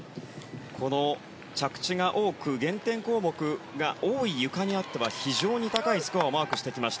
この着地が多く減点項目が多いゆかにあっては非常に高いスコアをマークしてきました。